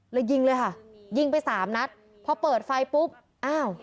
ยิงเลยค่ะยิงไปสามนัดพอเปิดไฟปุ๊บอ้าว